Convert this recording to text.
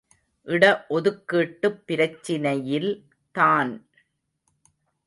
இட ஒதுக்கீட்டுப் பிரச்சினையில் தான்!